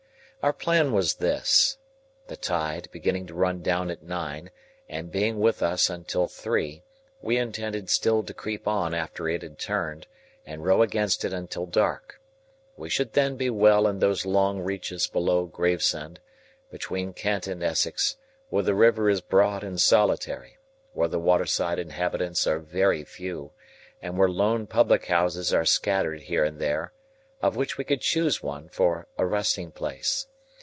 Our plan was this. The tide, beginning to run down at nine, and being with us until three, we intended still to creep on after it had turned, and row against it until dark. We should then be well in those long reaches below Gravesend, between Kent and Essex, where the river is broad and solitary, where the water side inhabitants are very few, and where lone public houses are scattered here and there, of which we could choose one for a resting place.